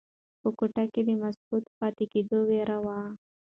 په کوټه کې د مسکوت پاتې کېدو ویره وه.